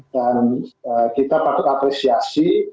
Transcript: dan kita patut apresiasi